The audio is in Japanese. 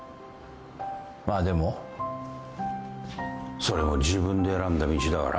まあでもそれも自分で選んだ道だから後悔はしてねえよ。